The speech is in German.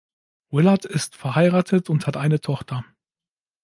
Willard ist verheiratet und hat eine Tochter.